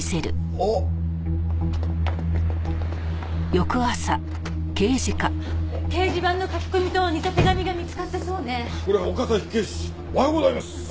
おはようございます。